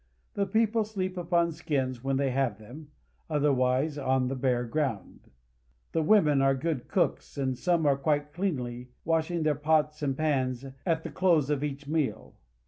The people sleep upon skins when they have them, otherwise on the bare ground. The women are good cooks, and some are quite cleanly, wash ing their pots and pans at the close of each meal.